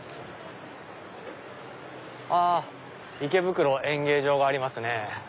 あ池袋演芸場がありますね。